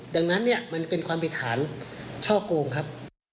ดังนั้นมันเป็นความผิดฐานช่อกลงครับ